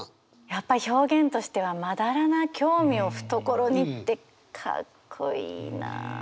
やっぱり表現としては「斑な興味を懐に」ってかっこいいな。